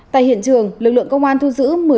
tại hiện trường lực lượng công an thu giữ